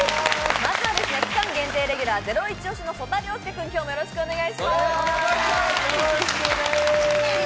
まずは期間限定レギュラー、ゼロイチ推しの曽田陵介君、よろしくです。